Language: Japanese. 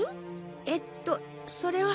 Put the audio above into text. えっとそれは。